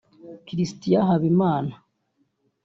Christian Habimana